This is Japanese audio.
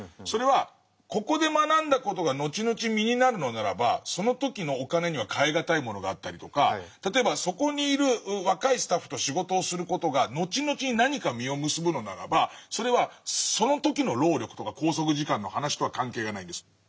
それはここで学んだ事が後々身になるのならばその時のお金には代え難いものがあったりとか例えばそこにいる若いスタッフと仕事をする事が後々何か実を結ぶのならばそれはその時の労力とか拘束時間の話とは関係がないんですよ。